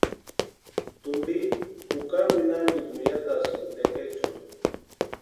Tumpi jukari winhamintu wiriatasïnti tekechuni.